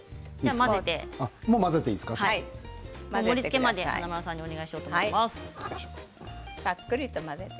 盛りつけまで華丸さんにお願いします。